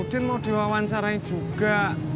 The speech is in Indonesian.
kemudian mau diwawancarain juga